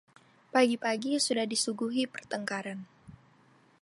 Pagi-pagi sudah disuguhi pertengkaran.